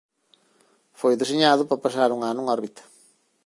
Foi deseñado para pasar un ano en órbita.